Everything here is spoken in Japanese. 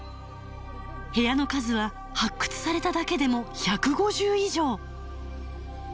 部屋の数は発掘されただけでも１５０以上。